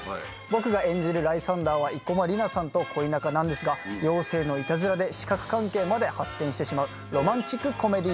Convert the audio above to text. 僕が演じるライサンダーは生駒里奈さんと恋仲なんですが妖精のいたずらで四角関係まで発展してしまうロマンチックコメディーです。